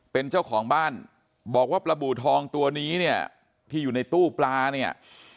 เป็นเจ้าของบ้านบอกว่าปลาบูทองตัวนี้เนี่ยที่อยู่ในตู้ปลาเนี่ย